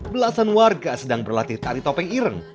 belasan warga sedang berlatih tari topeng ireng